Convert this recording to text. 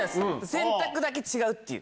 選択だけ違うっていう。